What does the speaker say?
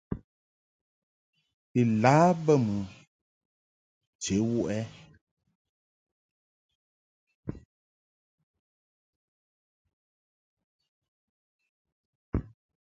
Bi lâ bə mɨ nche wuʼ ɛ ?